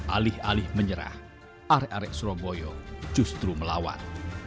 alih alih menyerah arek arek surabaya justru melawan